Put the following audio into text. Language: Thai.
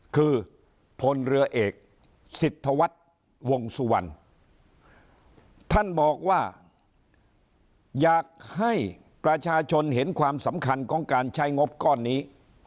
คือพลเรือเอกสิทธวัฒน์วงสุวรรณท่านบอกว่าอยากให้ประชาชนเห็นความสำคัญของการใช้งบก้อนนี้